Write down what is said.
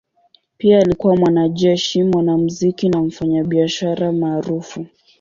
Pia alikuwa mwanajeshi, mwanamuziki na mfanyabiashara maarufu.